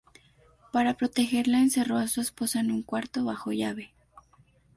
Para protegerla, encerró a su esposa en un cuarto bajo llave.